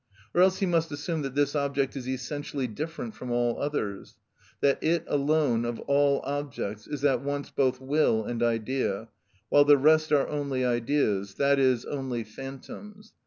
Or else he must assume that this object is essentially different from all others; that it alone of all objects is at once both will and idea, while the rest are only ideas, i.e., only phantoms.